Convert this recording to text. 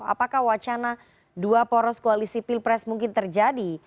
apakah wacana dua poros koalisi pilpres mungkin terjadi